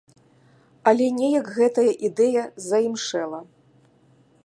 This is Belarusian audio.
Але неяк гэтая ідэя заімшэла.